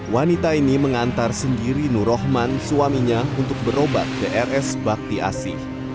wanita ini mengantar sendiri nur rahman suaminya untuk berobat ke rs bakti asih